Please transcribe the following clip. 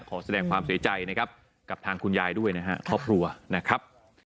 ขอแสดงความเสียใจนะครับกับทางคุณยายด้วยนะครับครอบครัวนะครับ